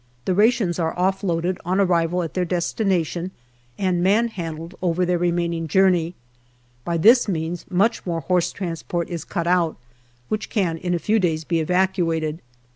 The rations are off loaded on arrival at their destination, and man handled over their remaining journey. By this means much more horse trans port is cut out, which can in a few days be evacuated.